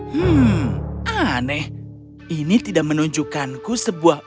hmm aneh ini tidak menunjukkanku sebuah